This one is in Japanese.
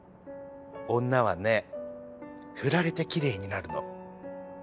女はね振られてきれいになるの。